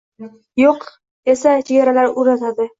“yo‘q” esa chagaralar o‘rnatadi.